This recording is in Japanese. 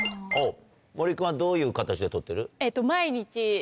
森君はどういう形でとってる？